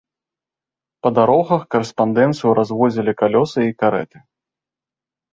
Па дарогах карэспандэнцыю развозілі калёсы і карэты.